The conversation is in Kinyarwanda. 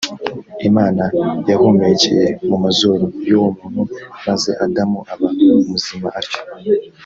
imana yahumekeye mu mazuru y ‘uwo muntu maze adamu aba muzima atyo